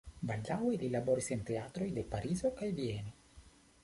Baldaŭe li laboris en teatroj de Parizo kaj Vieno.